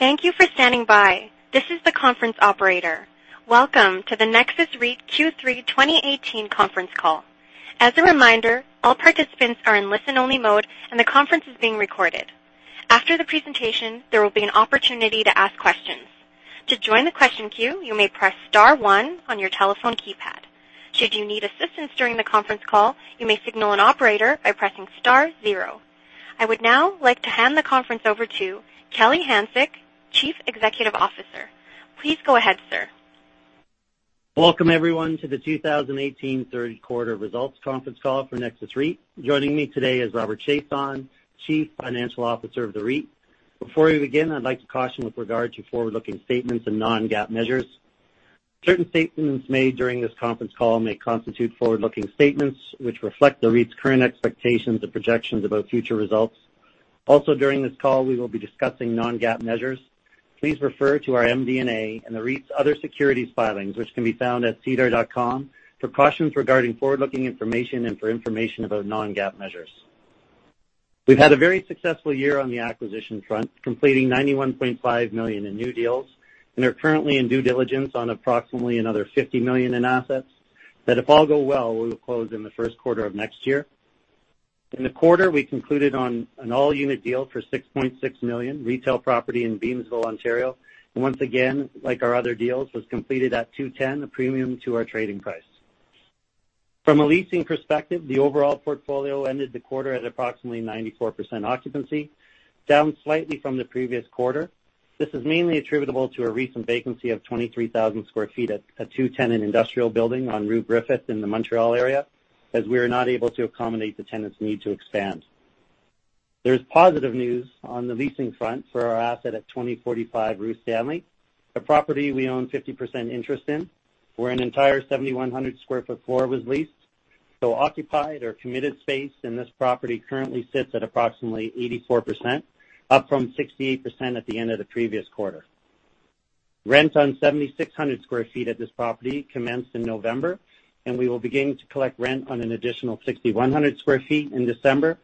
Thank you for standing by. This is the conference operator. Welcome to the Nexus REIT Q3 2018 conference call. As a reminder, all participants are in listen-only mode, and the conference is being recorded. After the presentation, there will be an opportunity to ask questions. To join the question queue, you may press star one on your telephone keypad. Should you need assistance during the conference call, you may signal an operator by pressing star zero. I would now like to hand the conference over to Kelly Hanczyk, Chief Executive Officer. Please go ahead, sir. Welcome, everyone, to the 2018 third quarter results conference call for Nexus REIT. Joining me today is Robert Chiasson, Chief Financial Officer of the REIT. Before we begin, I'd like to caution with regard to forward-looking statements and non-GAAP measures. Certain statements made during this conference call may constitute forward-looking statements, which reflect the REIT's current expectations and projections about future results. Also, during this call, we will be discussing non-GAAP measures. Please refer to our MD&A and the REIT's other securities filings, which can be found at sedar.com for cautions regarding forward-looking information and for information about non-GAAP measures. We've had a very successful year on the acquisition front, completing 91.5 million in new deals, and are currently in due diligence on approximately another 50 million in assets. That if all go well, we will close in the first quarter of next year. In the quarter, we concluded on an all-unit deal for 6.6 million retail property in Beamsville, Ontario. Once again, like our other deals, was completed at 210, a premium to our trading price. From a leasing perspective, the overall portfolio ended the quarter at approximately 94% occupancy, down slightly from the previous quarter. This is mainly attributable to a recent vacancy of 23,000 square feet at a two-tenant industrial building on Rue Griffith in the Montreal area, as we are not able to accommodate the tenant's need to expand. There's positive news on the leasing front for our asset at 2045 Rue Stanley, a property we own 50% interest in, where an entire 7,100-square-foot floor was leased. Occupied or committed space in this property currently sits at approximately 84%, up from 68% at the end of the previous quarter. Rent on 7,600 square feet at this property commenced in November. We will begin to collect rent on an additional 6,100 square feet in December,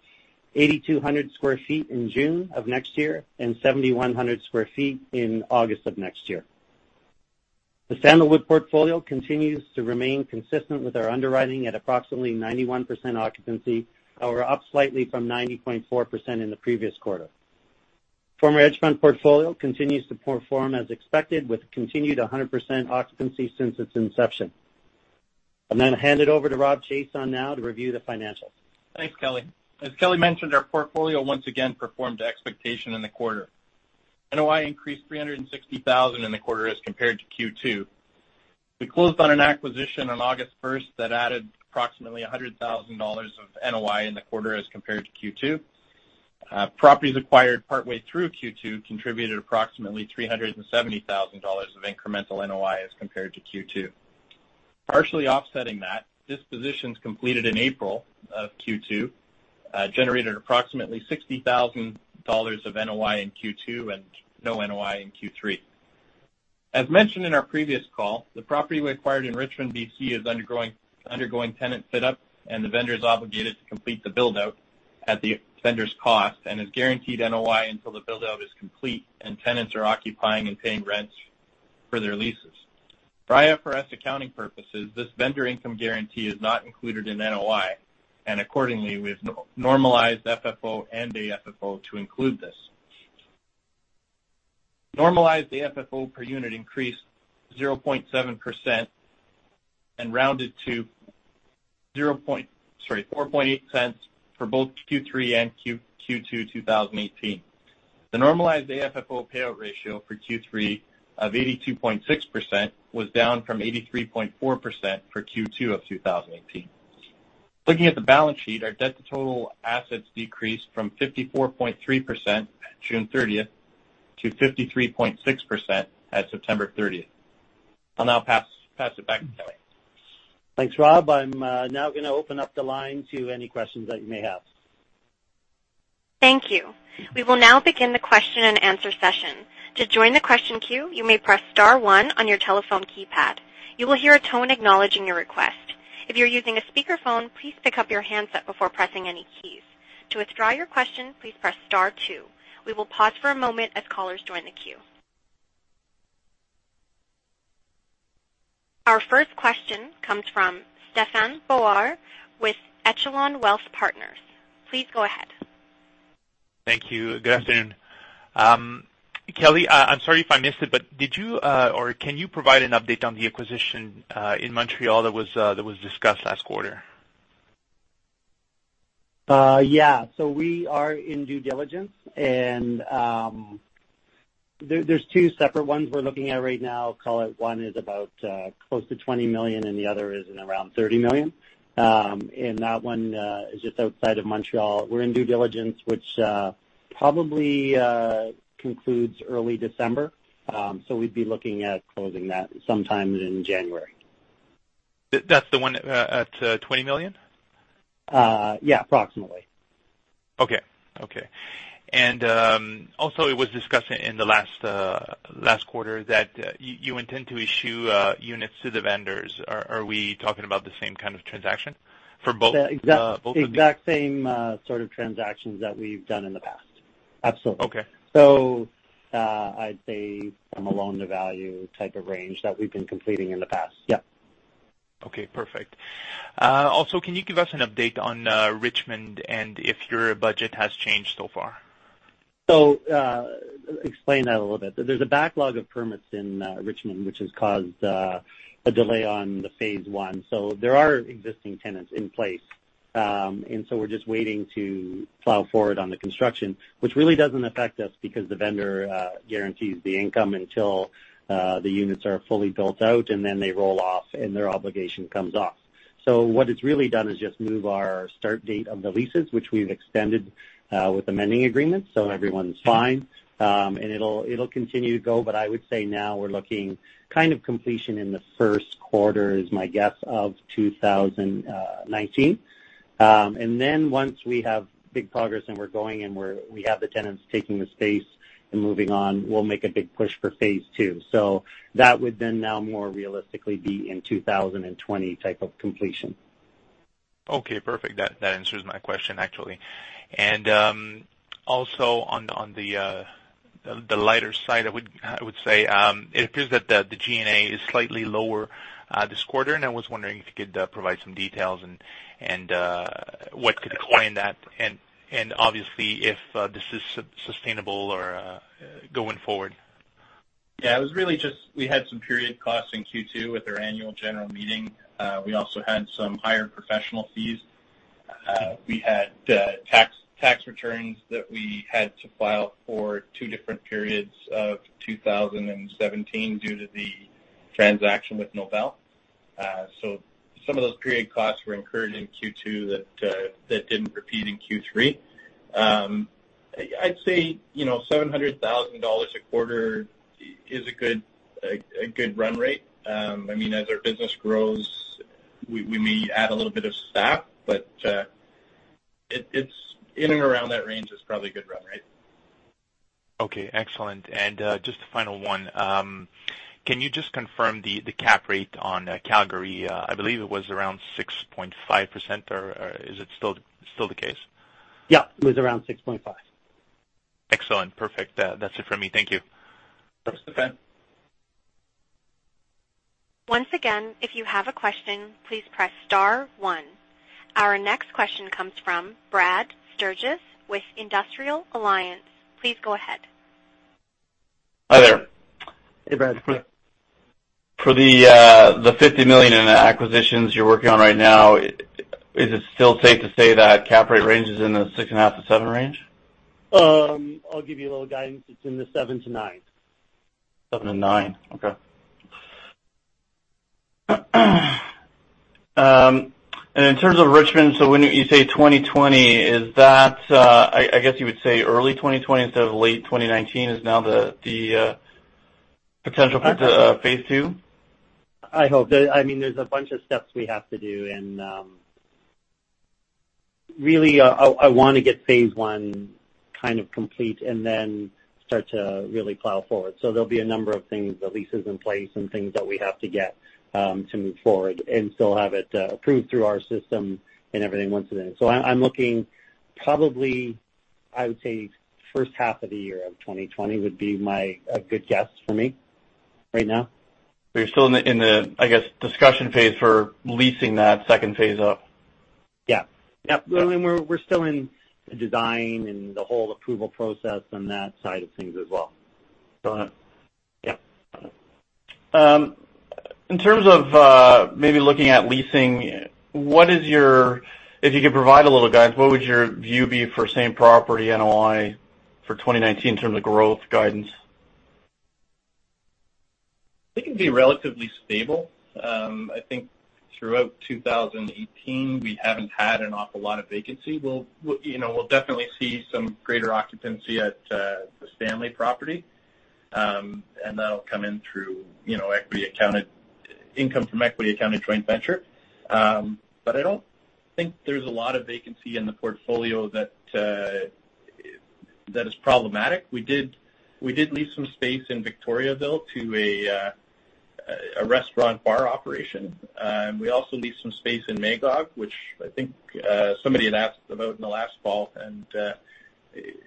8,200 square feet in June of next year, 7,100 square feet in August of next year. The Sandalwood portfolio continues to remain consistent with our underwriting at approximately 91% occupancy, or up slightly from 90.4% in the previous quarter. Former Edgefront portfolio continues to perform as expected, with continued 100% occupancy since its inception. I'm going to hand it over to Robert Chiasson now to review the financials. Thanks, Kelly. As Kelly mentioned, our portfolio once again performed to expectation in the quarter. NOI increased 360,000 in the quarter as compared to Q2. We closed on an acquisition on August 1st that added approximately 100,000 dollars of NOI in the quarter as compared to Q2. Properties acquired partway through Q2 contributed approximately 370,000 dollars of incremental NOI as compared to Q2. Partially offsetting that, dispositions completed in April of Q2 generated approximately 60,000 dollars of NOI in Q2 and no NOI in Q3. As mentioned in our previous call, the property we acquired in Richmond, B.C., is undergoing tenant setup, and the vendor is obligated to complete the build-out at the vendor's cost and is guaranteed NOI until the build-out is complete and tenants are occupying and paying rents for their leases. For IFRS accounting purposes, this vendor income guarantee is not included in NOI, and accordingly, we've normalized FFO and AFFO to include this. Normalized AFFO per unit increased 0.7% and rounded to CAD 0.048 for both Q3 and Q2 2018. The normalized AFFO payout ratio for Q3 of 82.6% was down from 83.4% for Q2 2018. Looking at the balance sheet, our debt to total assets decreased from 54.3% at June 30th to 53.6% at September 30th. I'll now pass it back to Kelly. Thanks, Rob. I'm now going to open up the line to any questions that you may have. Thank you. We will now begin the question and answer session. To join the question queue, you may press star one on your telephone keypad. You will hear a tone acknowledging your request. If you're using a speakerphone, please pick up your handset before pressing any keys. To withdraw your question, please press star two. We will pause for a moment as callers join the queue. Our first question comes from Stephane Beaulac with Echelon Wealth Partners. Please go ahead. Thank you. Good afternoon. Kelly, I'm sorry if I missed it, but did you, or can you provide an update on the acquisition in Montreal that was discussed last quarter? Yeah. We are in due diligence. There's two separate ones we're looking at right now. Call it one is about close to 20 million, the other is in around 30 million. That one is just outside of Montreal. We're in due diligence, which probably concludes early December. We'd be looking at closing that sometime in January. That's the one at 20 million? Yeah, approximately. Okay. Also, it was discussed in the last quarter that you intend to issue units to the vendors. Are we talking about the same kind of transaction for both of these? The exact same sort of transactions that we've done in the past. Absolutely. Okay. I'd say from a loan-to-value type of range that we've been completing in the past. Yep. Okay, perfect. Also, can you give us an update on Richmond and if your budget has changed so far? Explain that a little bit. There's a backlog of permits in Richmond, which has caused a delay on the phase one. There are existing tenants in place. We're just waiting to plow forward on the construction, which really doesn't affect us because the vendor guarantees the income until the units are fully built out, and then they roll off, and their obligation comes off. What it's really done is just move our start date of the leases, which we've extended with amending agreements, so everyone's fine. It'll continue to go, but I would say now we're looking kind of completion in the first quarter, is my guess, of 2019. Once we have big progress and we're going and we have the tenants taking the space and moving on, we'll make a big push for phase two. That would then now more realistically be in 2020 type of completion. Okay, perfect. That answers my question, actually. On the lighter side, I would say, it appears that the G&A is slightly lower this quarter, and I was wondering if you could provide some details and what could explain that, and obviously if this is sustainable going forward. It was really just we had some period costs in Q2 with our annual general meeting. We also had some higher professional fees. We had tax returns that we had to file for two different periods of 2017 due to the transaction with Nobel. Some of those period costs were incurred in Q2 that didn't repeat in Q3. I'd say 700,000 dollars a quarter is a good run rate. As our business grows, we may add a little bit of staff, but in and around that range is probably a good run rate. Okay, excellent. Just a final one. Can you just confirm the cap rate on Calgary? I believe it was around 6.5%, or is it still the case? Yeah, it was around 6.5%. Excellent. Perfect. That's it from me. Thank you. Thanks, Stephane. Once again, if you have a question, please press star one. Our next question comes from Brad Sturges with Industrial Alliance. Please go ahead. Hi there. Hey, Brad. For the 50 million in acquisitions you're working on right now, is it still safe to say that cap rate range is in the 6.5%-7% range? I'll give you a little guidance. It's in the seven to nine. Seven to nine. Okay. In terms of Richmond, when you say 2020, I guess you would say early 2020 instead of late 2019 is now the potential for the phase II? I hope. There's a bunch of steps we have to do, really, I want to get phase I complete and then start to really plow forward. There'll be a number of things, the leases in place and things that we have to get to move forward and still have it approved through our system and everything once again. I'm looking probably, I would say, first half of the year of 2020 would be a good guess for me right now. You're still in the, I guess, discussion phase for leasing that second phase up? Yeah. We're still in the design and the whole approval process and that side of things as well. Got it. Yeah. In terms of maybe looking at leasing, if you could provide a little guidance, what would your view be for same property NOI for 2019 in terms of growth guidance? I think it'd be relatively stable. I think throughout 2018, we haven't had an awful lot of vacancy. We'll definitely see some greater occupancy at the Stanley property, and that'll come in through income from equity accounted joint venture. I don't think there's a lot of vacancy in the portfolio that is problematic. We did leave some space in Victoriaville to a restaurant bar operation. We also leased some space in Magog, which I think somebody had asked about in the last call, and it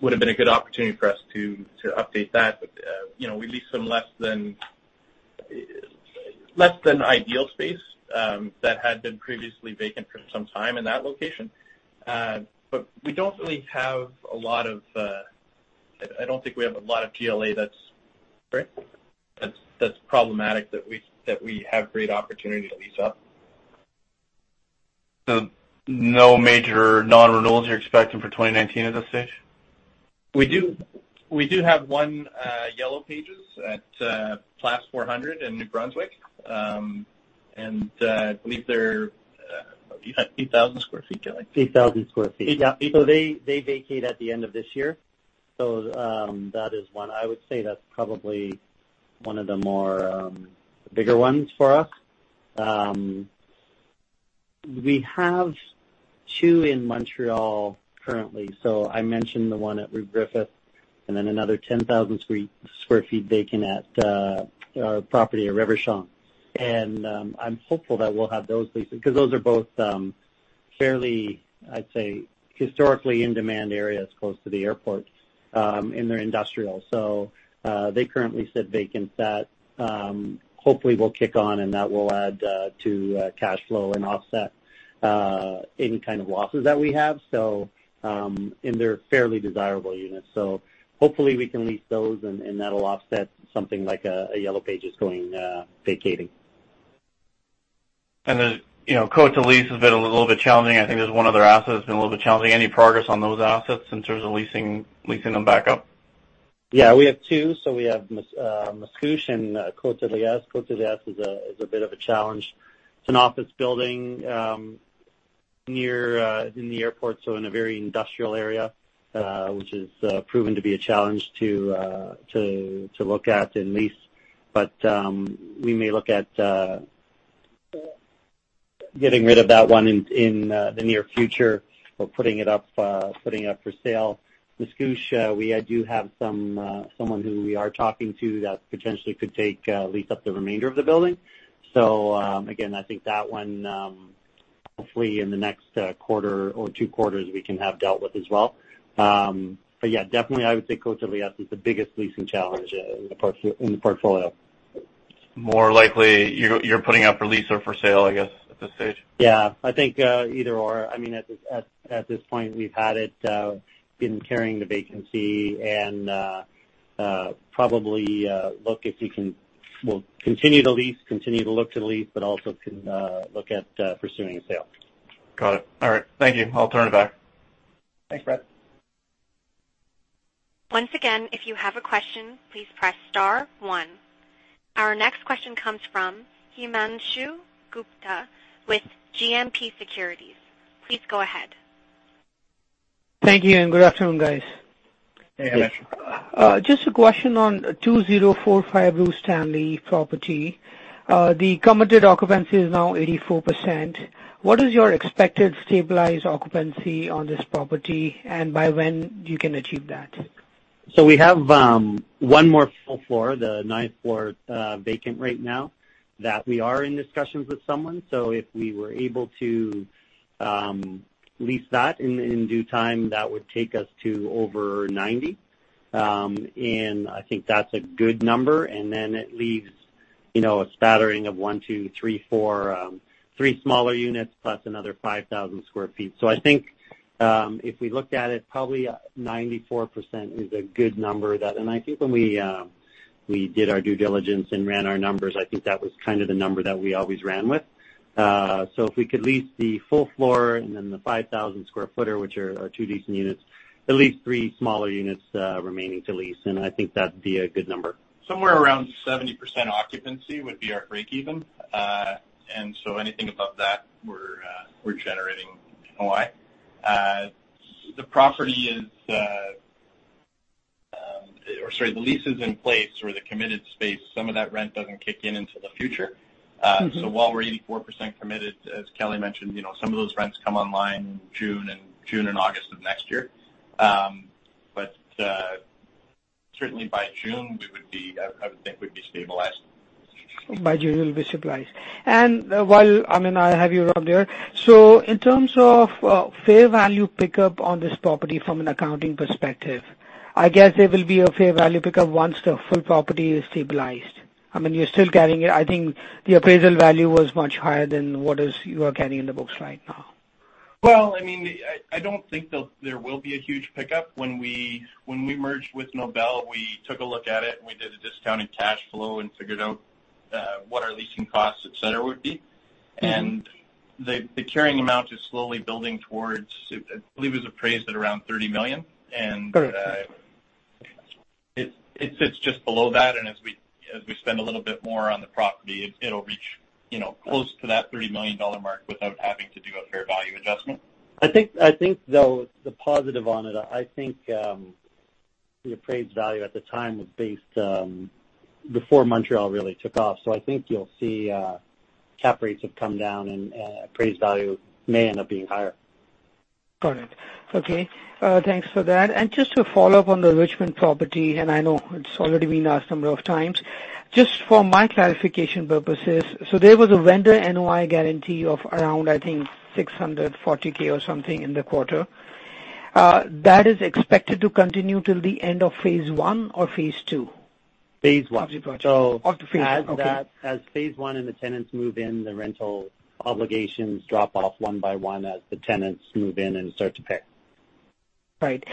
would've been a good opportunity for us to update that. We leased some less than ideal space that had been previously vacant for some time in that location. I don't think we have a lot of GLA that's problematic that we have great opportunity to lease up. no major non-renewals you're expecting for 2019 at this stage? We do have one Yellow Pages at Place 400 in New Brunswick. I believe they're 8,000 sq ft, Kelly? 8,000 sq ft. Yeah. They vacate at the end of this year. That is one. I would say that's probably one of the more bigger ones for us. We have two in Montreal currently. I mentioned the one at Rue Griffith, and then another 10,000 sq ft vacant at our property at Rivershaw. I'm hopeful that we'll have those leased because those are both fairly, I'd say, historically in-demand areas close to the airport, and they're industrial. They currently sit vacant. That hopefully will kick on, and that will add to cash flow and offset any kind of losses that we have. They're fairly desirable units, so hopefully we can lease those, and that'll offset something like a Yellow Pages going vacating. Cote-de-Liesse has been a little bit challenging. I think that's one other asset that's been a little bit challenging. Any progress on those assets in terms of leasing them back up? Yeah, we have two. We have Mascouche and Cote-de-Liesse. Cote-de-Liesse is a bit of a challenge. It's an office building near the airport, so in a very industrial area, which has proven to be a challenge to look at and lease. We may look at getting rid of that one in the near future or putting it up for sale. Mascouche, we do have someone who we are talking to that potentially could take a lease up the remainder of the building. Again, I think that one, hopefully in the next quarter or two quarters, we can have dealt with as well. Yeah, definitely I would say Cote-de-Liesse is the biggest leasing challenge in the portfolio. More likely, you're putting up for lease or for sale, I guess, at this stage? Yeah, I think either or. At this point, we've had it, been carrying the vacancy, and probably look if we can, we'll continue to lease, continue to look to lease, but also can look at pursuing a sale. Got it. All right. Thank you. I'll turn it back. Thanks, Brad. Once again, if you have a question, please press star one. Our next question comes from Himanshu Gupta with GMP Securities. Please go ahead. Thank you, good afternoon, guys. Hey, Himanshu. Just a question on 2045 Rue Stanley property. The committed occupancy is now 84%. What is your expected stabilized occupancy on this property, and by when you can achieve that? We have one more full floor, the ninth floor, vacant right now that we are in discussions with someone. If we were able to lease that in due time, that would take us to over 90. I think that's a good number, then it leaves a spattering of one, two, three, four, three smaller units, plus another 5,000 sq ft. I think if we looked at it, probably 94% is a good number. I think when we did our due diligence and ran our numbers, I think that was kind of the number that we always ran with. If we could lease the full floor and then the 5,000 square footer, which are our two decent units, at least three smaller units remaining to lease, I think that'd be a good number. Somewhere around 70% occupancy would be our break even. Anything above that, we're generating NOI. The leases in place or the committed space, some of that rent doesn't kick in until the future. While we're 84% committed, as Kelly mentioned, some of those rents come online June and August of next year. Certainly by June, I would think we'd be stabilized. By June, you'll be stabilized. While I have you around here, in terms of fair value pickup on this property from an accounting perspective, I guess there will be a fair value pickup once the full property is stabilized. You're still carrying it. I think the appraisal value was much higher than what you are carrying in the books right now. I don't think there will be a huge pickup. When we merged with Nobel, we took a look at it, we did a discounted cash flow and figured out what our leasing costs, et cetera, would be. The carrying amount is slowly building towards, I believe it was appraised at around 30 million. Correct. It sits just below that, as we spend a little bit more on the property, it'll reach close to that 30 million dollar mark without having to do a fair value adjustment. I think though, the positive on it, I think the appraised value at the time was based before Montreal really took off. I think you'll see cap rates have come down, and appraised value may end up being higher. Got it. Okay. Thanks for that. Just to follow up on the Richmond property, I know it's already been asked a number of times. Just for my clarification purposes, there was a vendor NOI guarantee of around, I think, 640,000 or something in the quarter. That is expected to continue till the end of phase 1 or phase 2? Phase 1. Of the project. So- Of the phase 1, okay. Phase 1 and the tenants move in, the rental obligations drop off one by one as the tenants move in and start to pay. Right.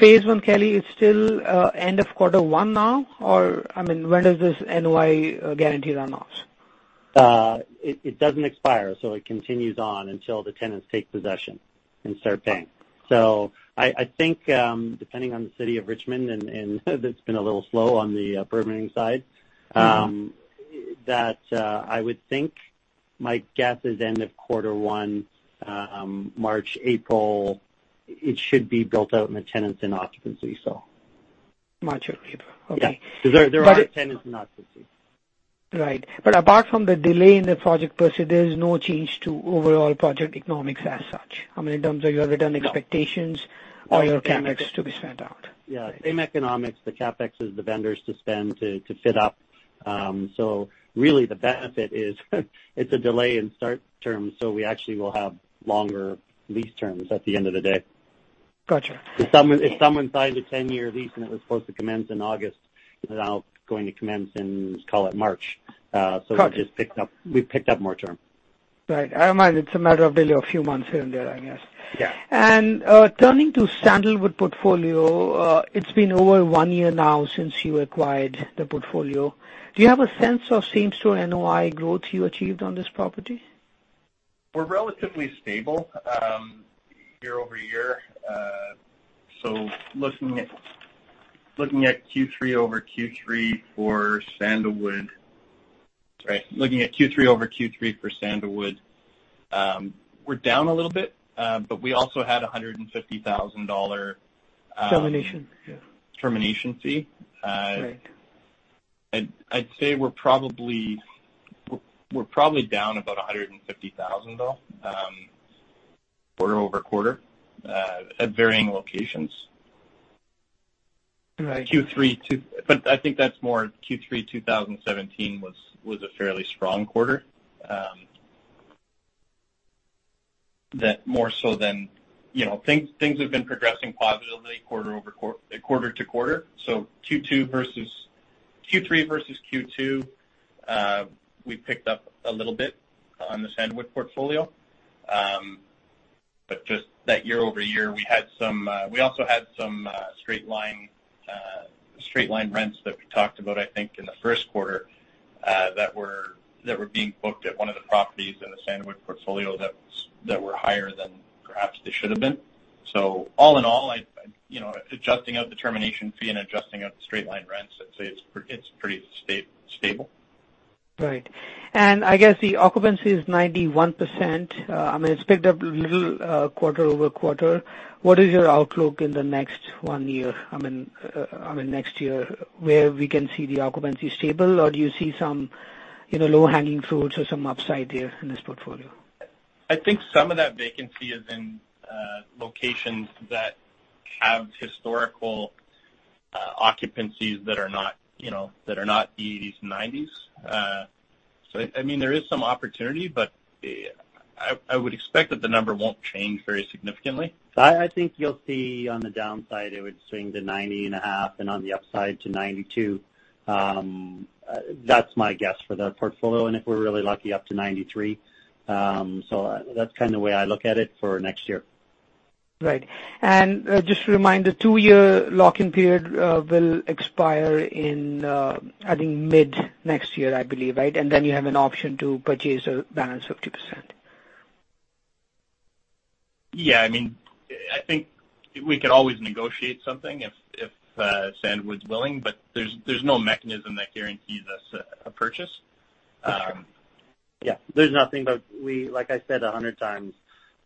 Phase 1, Kelly, is still end of quarter 1 now, or when does this NOI guarantee run off? It doesn't expire, it continues on until the tenants take possession and start paying. I think, depending on the city of Richmond, that's been a little slow on the permitting side. that I would think, my guess is end of quarter one, March, April, it should be built out and the tenants in occupancy. Gotcha. Okay. Yeah. Because there are tenants in occupancy. Right. Apart from the delay in the project pursuit, there is no change to overall project economics as such? I mean, in terms of your return expectations. No. Your CapEx to be spent out. Yeah. Same economics. The CapEx is the vendors to spend to fit up. Really the benefit is it's a delay in start terms, we actually will have longer lease terms at the end of the day. Got you. If someone signs a 10-year lease and it was supposed to commence in August, it now is going to commence in, let's call it March. Got you. We just picked up more term. Right. It's a matter of delay of few months here and there, I guess. Yeah. Turning to Sandalwood portfolio. It's been over one year now since you acquired the portfolio. Do you have a sense of same store NOI growth you achieved on this property? We're relatively stable year-over-year. Looking at Q3 over Q3 for Sandalwood. Sorry, looking at Q3 over Q3 for Sandalwood, we're down a little bit. We also had 150,000 dollar- Termination. Yeah termination fee. Right. I'd say we're probably down about 150,000 quarter-over-quarter at varying locations. Right. I think that's more Q3 2017 was a fairly strong quarter. Things have been progressing positively quarter-to-quarter. Q3 versus Q2, we picked up a little bit on the Sandalwood portfolio. Just that year-over-year, we also had some straight line rents that we talked about, I think, in the first quarter, that were being booked at one of the properties in the Sandalwood portfolio that were higher than perhaps they should've been. All in all, adjusting out the termination fee and adjusting out the straight line rents, I'd say it's pretty stable. Right. I guess the occupancy is 91%. It's picked up a little, quarter-over-quarter. What is your outlook in the next one year? I mean, next year, where we can see the occupancy stable, or do you see some low-hanging fruits or some upside there in this portfolio? I think some of that vacancy is in locations that have historical occupancies that are not 80s, 90s. There is some opportunity, but I would expect that the number won't change very significantly. I think you'll see on the downside, it would swing to 90 and a half, and on the upside to 92. That's my guess for that portfolio. If we're really lucky, up to 93. That's kind of the way I look at it for next year. Right. Just a reminder, 2-year lock-in period will expire in, I think mid next year, I believe, right? Then you have an option to purchase a balance of 2%. Yeah. I think we could always negotiate something if Sandalwood's willing, there's no mechanism that guarantees us a purchase. Got you. Yeah. There's nothing, like I said 100 times,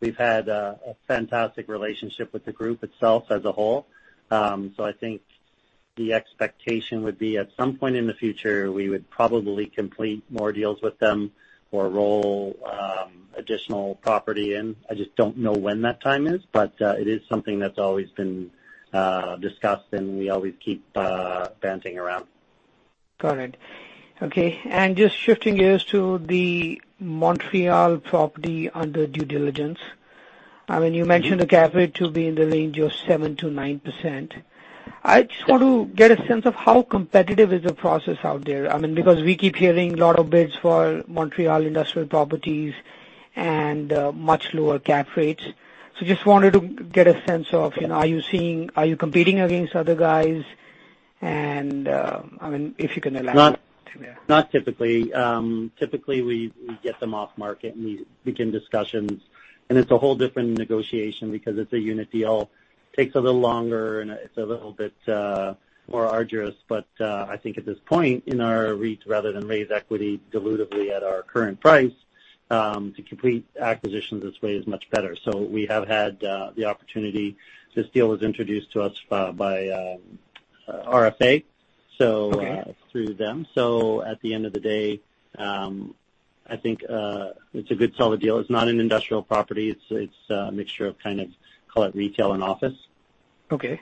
we've had a fantastic relationship with the group itself as a whole. I think the expectation would be at some point in the future, we would probably complete more deals with them or roll additional property in. I just don't know when that time is, it is something that's always been discussed, we always keep bouncing around. Got it. Okay. Just shifting gears to the Montreal property under due diligence. You mentioned the cap rate to be in the range of 7%-9%. I just want to get a sense of how competitive is the process out there. We keep hearing a lot of bids for Montreal industrial properties and much lower cap rates. Just wanted to get a sense of, are you competing against other guys? If you can elaborate there. Not typically. Typically, we get them off market, we begin discussions. It's a whole different negotiation because it's a unit deal. Takes a little longer, and it's a little bit more arduous. I think at this point in our REIT, rather than raise equity dilutively at our current price, to complete acquisitions this way is much better. We have had the opportunity. This deal was introduced to us by RFA. Okay. Through them. At the end of the day, I think it's a good solid deal. It's not an industrial property. It's a mixture of kind of, call it retail and office. Okay.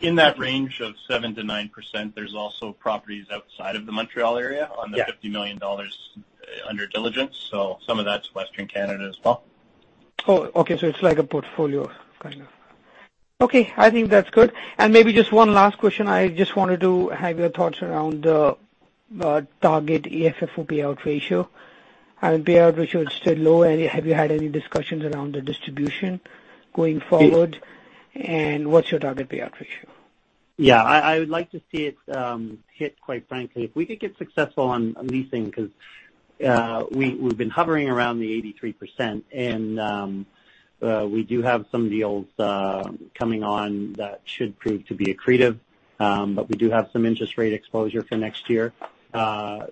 In that range of 7%-9%, there's also properties outside of the Montreal area. Yeah on the 50 million dollars under diligence. Some of that is Western Canada as well. Oh, okay. It's like a portfolio kind of. Okay, I think that's good. Maybe just one last question. I just wanted to have your thoughts around the target AFFO payout ratio. Payout ratio is still low. Have you had any discussions around the distribution going forward? What's your target payout ratio? Yeah, I would like to see it hit, quite frankly. If we could get successful on leasing, because we've been hovering around the 83%, we do have some deals coming on that should prove to be accretive. We do have some interest rate exposure for next year. My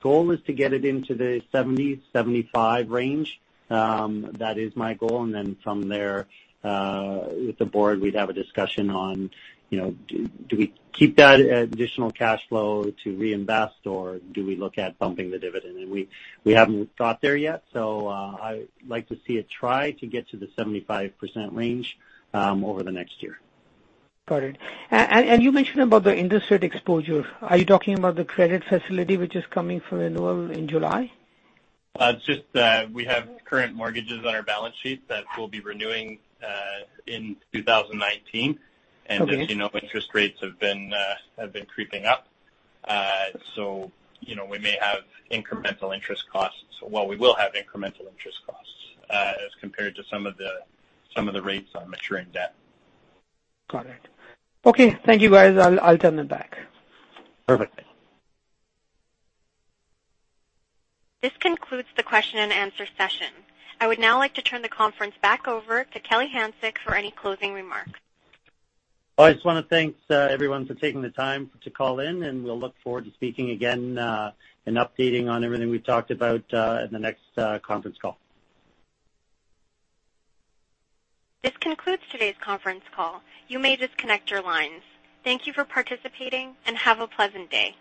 goal is to get it into the 70%-75% range. That is my goal. Then from there, with the board, we'd have a discussion on do we keep that additional cash flow to reinvest, or do we look at bumping the dividend? We haven't got there yet. I would like to see it try to get to the 75% range over the next year. Got it. You mentioned about the interest rate exposure. Are you talking about the credit facility, which is coming for renewal in July? It's just that we have current mortgages on our balance sheet that we'll be renewing in 2019. Okay. As you know, interest rates have been creeping up. We may have incremental interest costs. Well, we will have incremental interest costs, as compared to some of the rates on maturing debt. Got it. Okay. Thank you guys. I'll turn it back. Perfect. This concludes the question and answer session. I would now like to turn the conference back over to Kelly Hanczyk for any closing remarks. I just want to thank everyone for taking the time to call in, and we'll look forward to speaking again, and updating on everything we've talked about in the next conference call. This concludes today's conference call. You may disconnect your lines. Thank you for participating, and have a pleasant day.